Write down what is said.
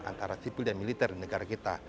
antara sipil dan militer di negara kita